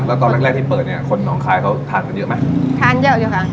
แล้วตอนแรกแรกที่เปิดเนี้ยคนน้องคายเขาทานกันเยอะไหมทานเยอะอยู่ค่ะ